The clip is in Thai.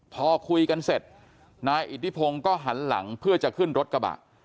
พอคุยกันเสร็จนายอิทธิพงศ์ก็หันหลังเพื่อจะขึ้นรถกระบะ